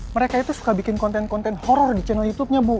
mereka itu suka bikin konten konten horror di channel youtubenya bu